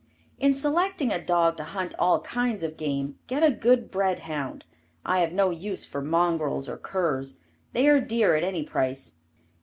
In selecting a dog to hunt all kinds of game, get a good bred hound. I have no use for mongrels or curs. They are dear at any price.